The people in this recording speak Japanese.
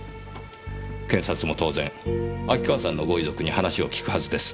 検察も当然秋川さんのご遺族に話を聞くはずです。